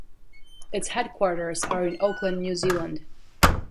Its headquarters are in Auckland, New Zealand.